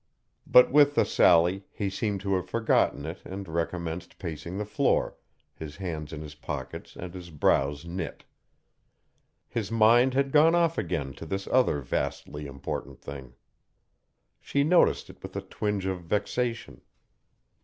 But with the sally he seemed to have forgotten it and recommenced pacing the floor, his hands in his pockets and his brows knit. His mind had gone off again to this other vastly important thing. She noticed it with a twinge of vexation.